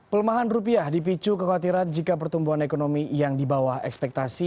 pelemahan rupiah dipicu kekhawatiran jika pertumbuhan ekonomi yang di bawah ekspektasi